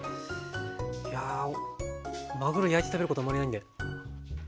いやまぐろ焼いて食べることあんまりないんで。